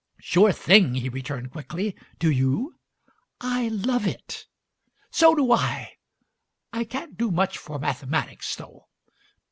"Sure thing," he returned quickly. "Do you?" "I love it!" "So do I. I can't do much for mathematics, though."